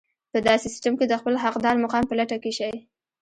په داسې سيستم کې د خپل حقدار مقام په لټه کې شئ.